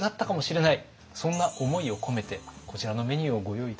そんな思いを込めてこちらのメニューをご用意いたしました。